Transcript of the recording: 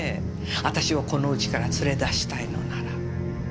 私をこの家から連れ出したいのなら。